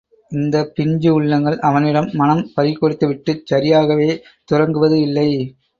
இந்தப் பிஞ்சு உள்ளங்கள், அவனிடம் மனம் பறி கொடுத்துவிட்டுச் சரியாகவே துரங்குவது இல்லை.